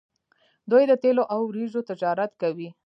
دوی د تیلو او وریجو تجارت کوي.